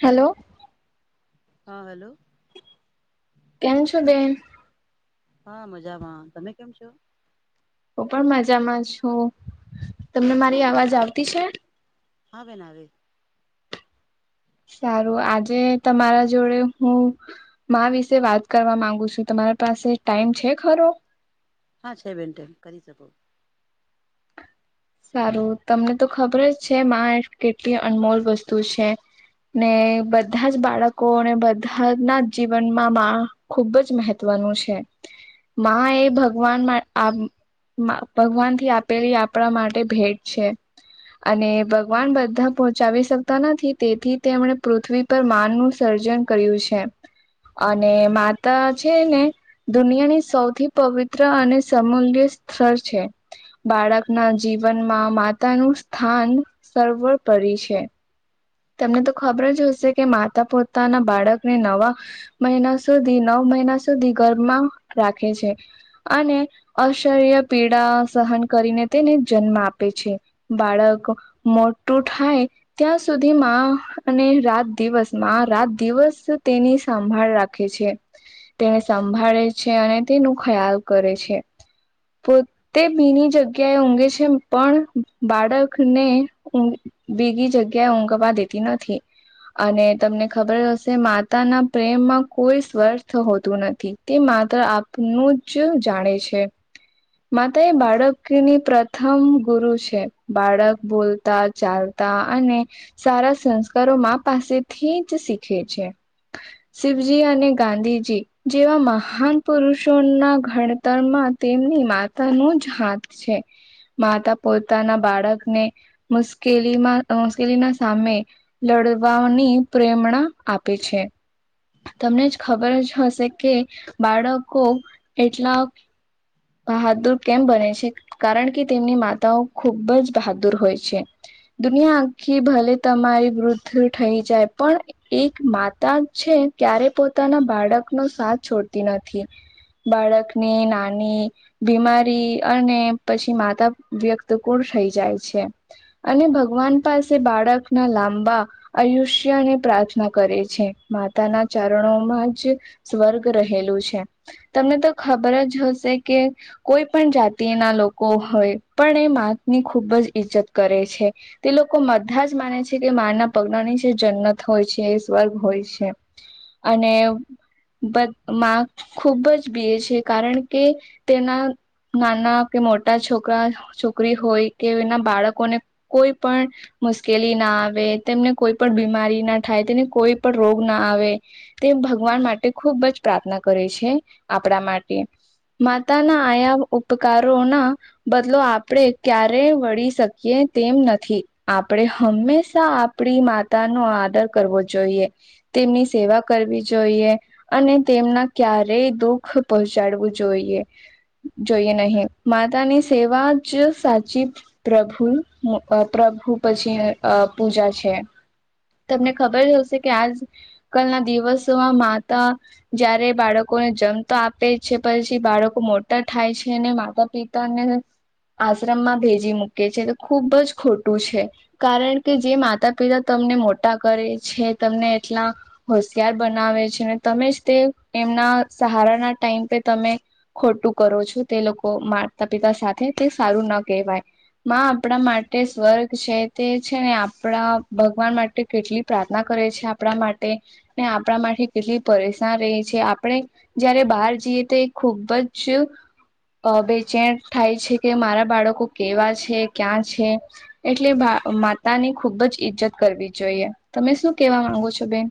Hello હા hello કેન્ છો બેેન. હા મજામાં તમે કેમ છો. હું પણ મજામાં છું તમને મારી અવાજ આવતી છે. આવે ના આવે. સારું આજે તમારા જોડે હું. મા આ વિશે વાત કરવા માંગુ છું તમારા પાસે ટાઈમ છે ખરો. હા છે મેન્ટે કરી શકો. સારું તમને તો ખબર જ છે કેટલી અનમોલ વસ્તુ છે. ને બધા જ બાળકોને બધાના જીવનમાં મા. ખુબ જ મહત્વનું છે. માં એ ભગવાન ભગવાન થી આપેલી આપણા માટે. ભેટ છે અને ભગવાન બધા પહોંચાવી શકતા નથી તેથી તે એમણે પૃથ્વી પર માન નું સર્જન કર્યું છે અને માતા છે ને દુનિયાની સૌથી પવિત્ર અને સમમૂલ્ય સ્થળ છે બાળકના જીવનમાં માતા નું સ્થાન સવરપરી છે તને તો ખબર જ હશે કે માતા પોતાના બાળકને નવા મહિના સુધી નવ મહિના સુધી ઘરમાં રાખે છે અને અશ્ર્ય પીડા સહન કરીને તેને જન્મ આપે છે બાળક મોટું થાય ત્યાં સુધીમાં અને રાત દિવસમાં રાત દિવસ તેની સંંભાળ રાખે છે તેને સંભાળે છે અને તેનું ખ્યાલ કરે છે પો તે બીની જગ્યા એ ઊંઘે છે પણ બાળકનેઊ બીગી જગ્યાએ ઊંઘવા દેતી નથી અને તમને ખબર હશે માતાના પ્રેમમાં કોઈ સ્વર્થ હોતું નથી તે માત્ર આપનું જ જાણે છે માતા એ બાળકની પ્રથમ ગુરુ છે બાળક બોલતા ચાલતા અને સારા સંસ્કારો મા પાસેથી જ શીખે છે શિવજી અને ગાંધીજી જેવા મહાન પુરુષો ના ગણ તરમાં તેમની માતા ન જ હાથ છે માતા પોતાના બાળકને મુશ્કેલીમાં ના સામે લડવાની પ્રેરણા આપે છે તમને જ ખબર જ હશે કે બાળકો એટલા બહાદુર કેમ બને છે કારણ કે તેમની માતાઓ ખુબ જ બહાદુર હોય છે દુનિયા કે ભલે તમારી વૃદ્ધ થઈ જાય પણ એક માતા છે ક્યારે પોતાના બાળકનો સાથ છોડતી નથી બાળકની નાની બીમારી અને પછી માતા વ્યક્ત કુણ થઈ જાય છે અને ભગવાન પાસે બાળક ના લાંબા આયુષ્ય અને પ્રાર્થના કરે છે માતાના ચરણોમાં જ સ્વર્ગ રહેલું છે તમને તો ખબર જ હશે કે કોઈ પણ જાતિના લોકો હોય પણ એ માત ની ખૂબ જ ઈજ્જત કરે છે તે લોકો બધા જ માને છે કે મા ના પગનાની જે જન્નત હોય છે એ સ્વર્ગ હોય છે અને માં ખૂબ જ બેી છે કારણ કે તેના નાના કે મોટા છોકરા છોકરી હોય કે એના બાળકોને કોઈ પણ મુશ્કેલી ના આવે, તેમને કોઈ પણ બીમારી ના થાય, તેને કોઈ પણ રોગ ના આવે. તે ભગવાન માટે ખૂબ જ પ્રાર્થના કરે છે આપણા માટે. માતાના આયા ઉપકારોના બદલો આપડે ક્યારે વળી શકીએ તેમ નથી આપણે હંમેશા આપણી માતા નો આદર કરવો જોઈએ તેમની સેવા કરવી જોઈએ અને તેમના ક્યારેય દુઃખ પહોંચાડવું જોઈએ જોઈએ નહીિ માતા ની સેવા જ સાચી પ્રભુ અ પ્રભુ પછી અ પૂજા છે તમને ખબર જ હશે કે આજ કલના દિવસોમાં માતા જયારે બાળકોને જમ તો આપે જ છે પછી બાળકો મોટા થાય છે ને માતા પિતા ને આશ્રમમાં ભેજી મૂકે છે તો ખુબ જ ખોટું છે કારણ કે જે માતા પિતા તમને મોટા કરે છે તમને એટલા હોશિયાર બનાવે છે ને તમે જ તે એમના સહારાના ટાઈમ પ તમે ખોટું કરો છો તે લોકો માતા પિતા સાથે તે સારું ન કહેવાય. માં આપણા માટે સ્વર્ગ છે તે છે ને આપણા ભગવાન માટે કેટલી પ્રાર્થના કરે છે આપણા માટે ને આપણા માટે કેટલી પરેશાન રે છે આપણે જયારે બહાર જઈએ તે ખૂબ જ અ બેચેણ થાય છે. કે મારા બાળકો કેવા છે, ક્યાં છે? એટલે બા માતાની ખુબ જ ઈજ્જત કરવી જોઈએ. તમે શું કેવા માંગો છો બેન?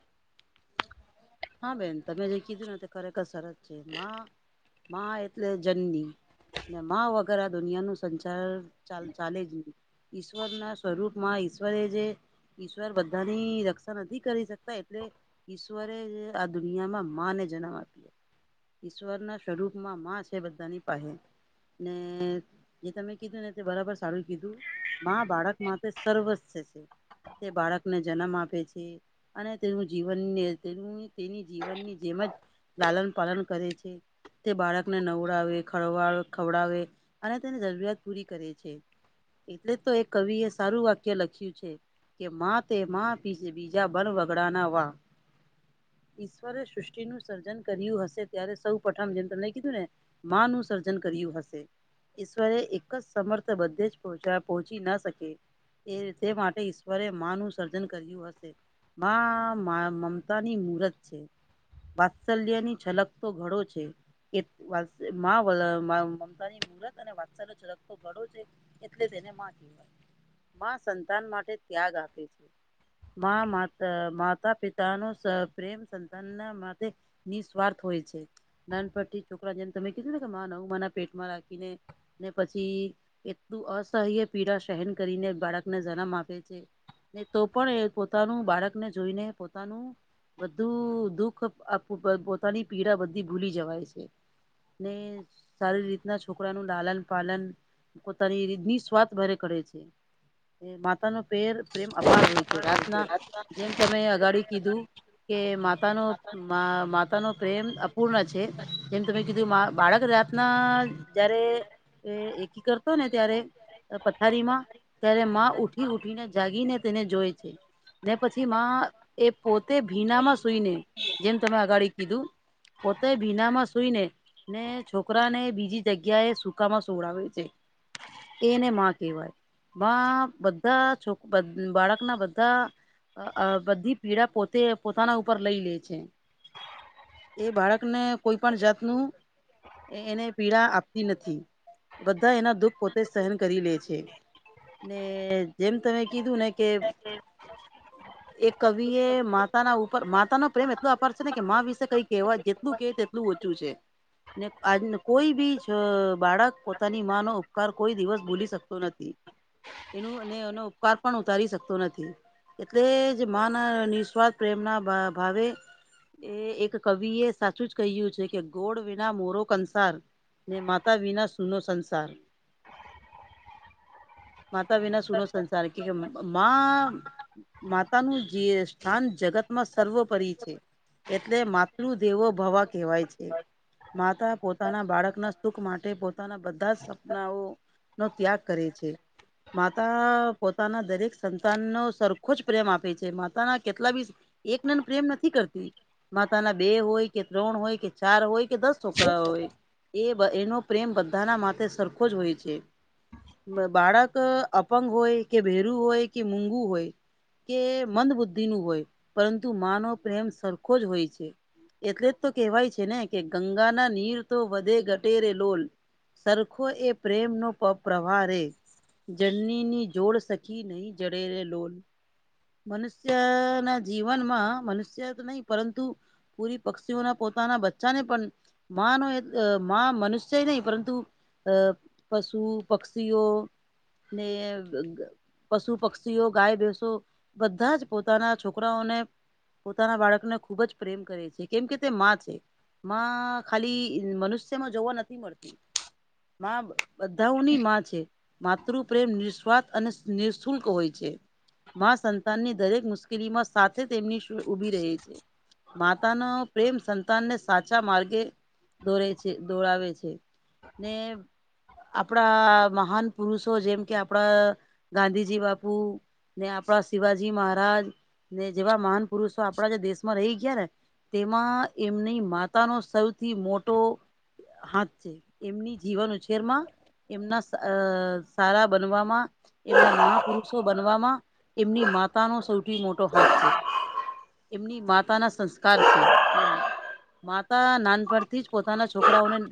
હા બેન તમે જે કીધું ને તે ખરેખર સરસ છે. માં માં એટલે જનની ને માં વગર આ દુનિયાનું સંચાર ચાલ ચાલે જ નહીં. ઈશ્વરના સ્વરૂપમાં ઈશ્વરે જે ઈશ્વર બધાની રક્ષા નથી કરી શકતા એટલે ઈશ્વરે આ દુનિયામાં માં ને જન્મ આપ્યો. ઈશ્વરના સ્વરૂપમાં માં છે બધાની પાહે. ને જે તમે કીધું ને તે બરાબર સારું કીધું. માં બાળક માટે સર્વસય છે. તે બાળકને જન્મ આપે છે, અને તેનું જીવ વન્ય તેની તેની જીવનની જેમ જ લાલન પાલન કરે છે. તે બાળકને નવડાવે, ખરવા ખવડાવે અને તેની જરૂરિયાત પૂરી કરે છે. એટલે તો એ કવિએ સારું વાક્ય લખ્યું છે. કે માં તે માં બીજ બીજા ભલ વગડાના વા. ઈશ્વરે સૃષ્ટિનું સર્જન કર્યું હશે ત્યારે સૌ પઠમ જેમ તમને કીધું ને માંનું સર્જન કર્યું હશે. ઈશ્વરે એક જ સમર્થ બધે જ પહોચા પહોંચી ન શકે. એ તે માટે ઈશ્વરે માં નું સર્જન કર્યું હશે. માં માં મમતાની મુરત છે, વાત્સલ્યની છલક તો ઘડો છે. એ વા માં વલ મમતાની મુરત અને વાત્સલ્ય છલકતો ઘડો છે. એટલે જ એને માં કહેવાય. માં સંતાન માટે ત્યાગ આપે છે. માં માત માતા પિત તાનો સ પ્રેમ સંતાનના માથે નિસ્વાર્થ હોય છે. નાન પરથી છોકરા જેમ તમે કીધું ને કે માં નવ મહિના પેટમાં રાખીને. ને પછી એટલું અસહ્ય પીડા સેહેન કરીને બાળકને જન્મ આપે છે. ને તો પણ એ પોતાનું બાળકને જોઈને પોતાનું બધું દુઃખ આ પો પોતાની પીડા બધી ભૂલી જવાય છે. ને સારી રીતના છોકરાનું લાલન પાલન પોતાની રીત નિસ્વાર્થ ભરે કરે છે. એ માં પોતાનો પેર પ્રેમ અપાર હોય છે. રાતના જેમ તમે અગાડી કીધું કે માતાનો માતા ન પ્રેમ અપૂર્ણ છે જેમ તમે કીધું બાળક જાતના જારે એ એકી કરતો ને ત્યારે અ પથારીમાં ત્યારે માં ઉઠી ઉઠીને જાગીને તેને જોયે છે. ને પછી માં એ પોતે ભીનામાં સુઈને જેમ તમે અગાડી કીધું. પોતે ભીનામાં સુઈને ને છોકરાને બીજી જગ્યાએ સૂકામાં સુવડાવે છે. એને માં કેવાય. માં બધાં છોક બધ બાળકના બધા અ બધી પીડા પોતે પોતાના ઉપર લઈ લે છે. એ બાળકને કોઈ પણ જાતનું એને પીડા આપતી નથી. બધા એના દુઃખ પોતે સહેન કરી લે છે. ને જેમ તમે કીધું ને કે એ કવિ એ માતાના ઉપર માતા ન પ્રેમ એટલોું અપર છે ને કે મા વિશે કઈ કેહેવાય જેટલું કે તેટલું ઓછું છે ને આજ કોઈ બી બાળક પોતાની માં નો ઉપકાર કોઈ દિવસ ભૂલી શકતો નથી એનું અને એનો ઉપકાર પણ ઉતારી શકતો નથી એટલે જ મા ના નિસ્વાર્થ પ્રેમ ના ભાવે એ એક કવિ એ સાચું જ કહ્યું છે કે ગોળ વિના મોરો કંસાર ને માતા વિના સુનો સંસાર [inaudible] માતા વિના સુનો સંસાર કે માતા તા ન સ્થાન જગતમાં સર્વોપરીિ છે એટલે માતૃદેવો ભવા કહેવાય છે માતા પોતાના બાળકના સુખ માટે પોતાના બધા જ સપનાઓ નો ત્યાગ કરે છે માતા પોતાના દરેક સંતાન નો સરખો જ પ્રેમ આપે થ છે માતાના કેટલા બી એકનેંદ પ્રેમ નથી કરતી માતા ના બે હોય કે ત્રણ હોય કે ચાર હોય કે દસ છોકરા હોય એ એનો પ્રેમ બધાના માટેથે સરખો જ હોય છે બાળક અપંગ હોય કે ભેરું હોય કે મગું હોય કે મંદ બુદ્ધિ નું હોય પરંતુ માનવ પ્રેમ સરખો જ હોય છે એટલે જ તો કેહેવાય છે ને કે ગંગા ના નીર તો વધે ગટેરે લોલ સરખો એ પ્રેમ નો પ્રવાહ રે જરની ની જોડ સખી નહી જડરે લોલ મનુષ્ય ના જીવનમાં મનુષ્ય નહી પરંતુ પૂરી પક્ષીઓના પોતાના બચ્ચાને પણ મા [inaudible] નો માં મનુષ્યય નહી પરંતુ, અ પશુ પક્ષીઓ ને પશુ પક્ષીઓ ગાય ભસો બધા જ પોતાના છોકરાઓને પોતાના બાળકને ખુબ જ પ્રેમ કરે છે કેમ કે તે માં છે માં ખાલી મનુષ્ય માં જોવા નથી મળતી માં બધાઓની માં છે માતૃ પ્રેમ નિસ્વાર્થ અને નિઃશુલ્ક હોય છે નીની દરેક મુશ્કેલી માં સાથે તેમની ઉભી રહે છે, માતાનો પ્રેમ સંતાનને સાચા માર્ગે દોરે છે દોડાવે છે, ને આપણા મહાન પુરુષો જેમ કે આપણા ગાંધીજી બાપુ ને આપણા શિવાજી મહારાજ ને જેવા મહાન પુરુષો, આપણા જે દેશમાં રહી ગયા ને તેમાં એમની માતાનો સૌથી મોટો હાથ છે, એમની જીવન ઉછેર માં એમના સારા બનવામાં એમના મહાપુરુષો બનવામાં. એમની માતાનો સૌથી મોટો હાથ છે. એમની માતા ના સંસ્કાર છે. [inaudible] માતા નાનપથી જ પોતાના છોકરાઓને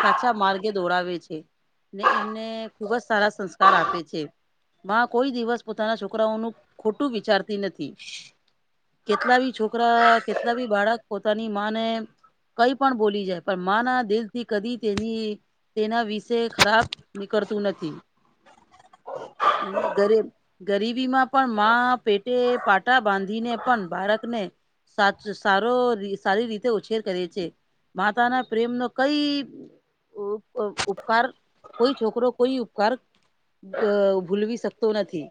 સાચા માર્ગે દોડાવે છે ને એમને ખૂબ જ સારા સંસ્કાર આપે છે, માં કોઈ દિવસ પોતાના છોકરાઓનું ખોટું વિચારતી નથી. કેટલા બી છોકરા કેટલા બી બાળક પોતાની ને માને કઈ પણ બોલી જાય, પણ મા ના દિલ થી કદી તેની તેના વિષે ખરાબ નીકળતું નથી, [inaudible] ગરીબી માં પણ પેટે પાટા બાંધીને પણ બાળકને સાચ સારો સારી રીતે ઉછેર કરે છે, માતા ના પ્રેમ ન કઈ. ઉપકાર કોઈ છોકરો કોઈ ઉપકાર. અ ભૂલવી શકતો નથી.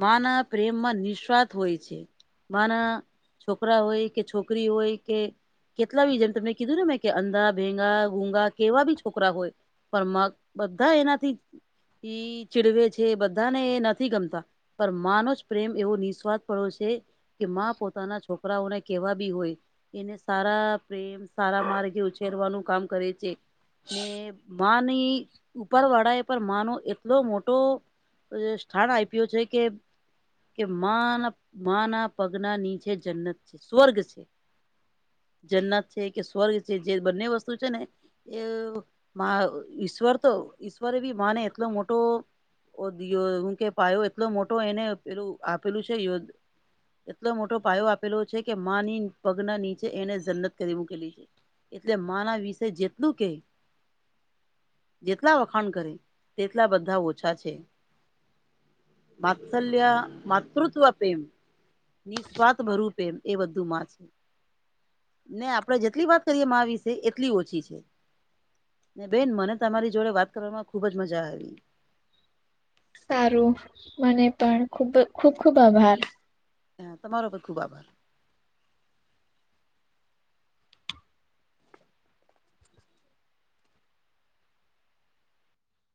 મા ના પ્રેમમાં નિસ્વાથ હોય છે, બાના છોકરા હોય કે છોકરી હોય કે, કેટલા બી જેમ તમે કીધું ને મે કે અંધા ભેંગા ગુંગા કેવા બી છોકરા હોય, પણ મગ બધા એનાથી ચીડવે છે, બધા એ નથી ગમતા પણ માનો જ પ્રેમ એવો નિસ્વાથ પડો છે, કે માં પોતાના છોકરાઓને કેવા બી હોય, એને સારા પ્રેમ સારા માર્ગે ઉછેરવાનું કામ કરે છે. ને માની ઉપર વળ પર માનો એટલો મોટો, સ્થાન આપ્યું છે કે કે મા મા ના પગ ના નીચે જન્નત છે સ્વર્ગ છે. જન્નત છે કે સ્વર્ગ છે, જે બંને વસ્તુ છે ને એ ઈશ્વર તો ઈશ્વર બી માને એટલો મોટો યો હું કે પાયો એટલો મોટો એને પેલું આપેલું છે, યો એટલો મોટો પાયો આપેલો છે, કે માની પગના નીચે એને જન્નત કરી મૂકેલી છે. એટલે માના વિષે જેટલું કે જેટલા વખાણ કરીે તેટલા બધા ઓછા છે. મત્સલ્ય માતૃત્વ પ્રેમ ની સ્વાત ભરૂપ એમ એ બધું માં છે. ને આપડે જેટલી વાત કરીએ મા વિશે એટલી ઓછી છે, ને બેન મને તમારી જોડે વાત કરવામાં ખુબજ મજા આવી. સારુ મને પણ ખુબ ખુબ ખુબ આભાર. હા તમારો પર ખુબ આભાર.